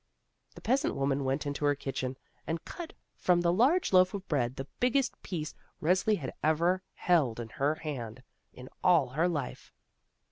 The peasant woman went into her kitchen, and cut from the large loaf of bread the biggest piece Resli had ever held in her hand, in all her life.